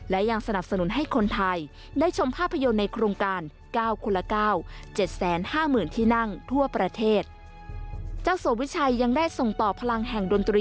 และยังสนับสนุนให้คนไทยได้ชมภาพยนตร์ในโครงการ๙คนละ๙